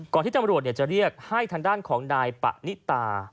ที่ตำรวจจะเรียกให้ทางด้านของนายปะนิตา